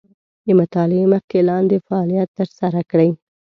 د مطالعې مخکې لاندې فعالیت تر سره کړئ.